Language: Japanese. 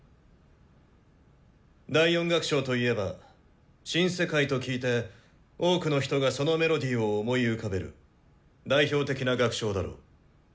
第４楽章といえば「新世界」と聞いて多くの人がそのメロディーを思い浮かべる代表的な楽章だろう。